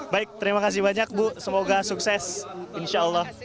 baik terima kasih banyak bu semoga sukses insya allah